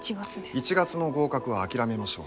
１月の合格は諦めましょう。